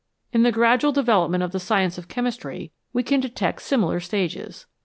In the gradual de velopment of the science of chemistry we can detect similar stages.